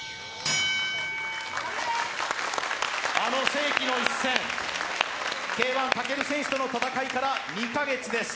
あの世紀の一戦、Ｋ−１、武尊選手との戦いから２カ月です。